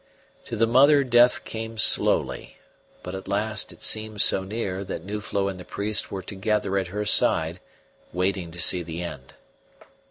To the mother death came slowly, but at last it seemed so near that Nuflo and the priest were together at her side waiting to see the end.